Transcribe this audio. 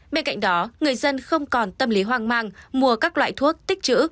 bên cạnh đó người dân không còn tâm lý hoang mang mua các loại thuốc tích chữ